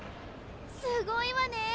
すごいわねえ！